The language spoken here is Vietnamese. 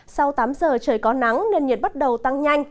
sau tám giờ trời có nắng nền nhiệt bắt đầu tăng nhanh